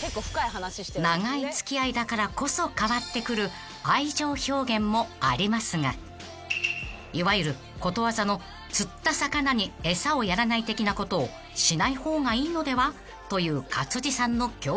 ［長い付き合いだからこそ変わってくる愛情表現もありますがいわゆることわざの「釣った魚に餌をやらない」的なことをしない方がいいのでは？という勝地さんの教訓］